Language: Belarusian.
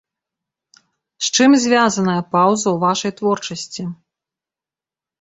З чым звязаная паўза ў вашай творчасці?